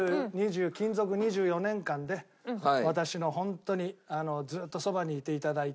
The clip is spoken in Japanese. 勤続２４年間で私のホントにずっとそばにいて頂いて。